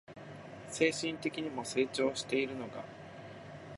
精神的にも成長しているのが